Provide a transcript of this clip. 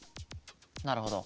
なるほど。